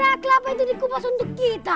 alamak ku kira kelapa itu di kupas untuk kita